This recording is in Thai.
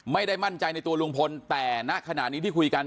ไม่ได้มั่นใจในตัวลุงพลแต่ณขณะนี้ที่คุยกัน